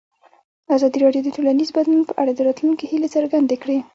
ازادي راډیو د ټولنیز بدلون په اړه د راتلونکي هیلې څرګندې کړې.